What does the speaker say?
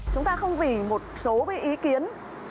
chúng ta không vì một số cái ý kiến